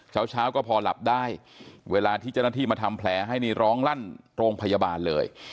เช้าเช้าก็พอหลับได้เวลาที่เจ้าหน้าที่มาทำแผลให้นี่ร้องลั่นโรงพยาบาลเลย